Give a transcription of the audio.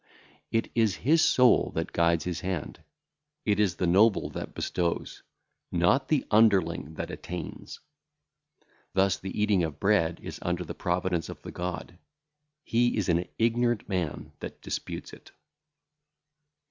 It is his soul that guideth his hand. It is the noble that bestoweth, not the underling that attaineth. Thus the eating of bread is under the providence of the God; he is an ignorant man that disputeth it.